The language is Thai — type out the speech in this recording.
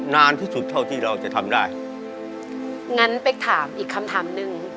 นานที่สุดเท่าที่เราจะทำได้งั้นเป๊กถามอีกคำถามหนึ่ง